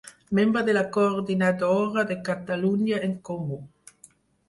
Membre de la coordinadora de Catalunya en Comú.